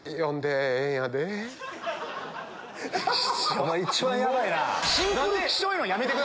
おまえ一番ヤバいな。